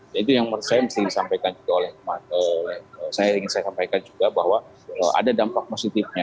jadi yang saya ingin sampaikan juga bahwa ada dampak positifnya